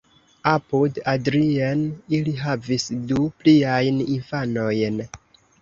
Apud Adrien ili havis du pliajn infanojn.